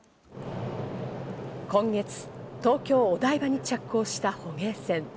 今月、東京・お台場に直行した捕鯨船。